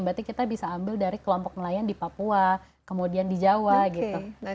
berarti kita bisa ambil dari kelompok nelayan di papua kemudian di jawa gitu